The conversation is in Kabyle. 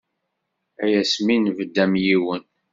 Ay asmi nbedd am yiwen.